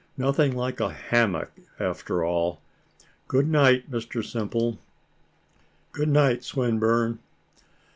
Nothing like a hammock, after all. Good night, Mr Simple." "Good night. Swinburne."